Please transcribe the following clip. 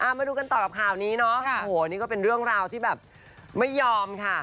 มาดูกันต่อกับข่าวนี้เนาะโอ้โหนี่ก็เป็นเรื่องราวที่แบบไม่ยอมค่ะ